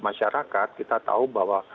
masyarakat kita tahu bahwa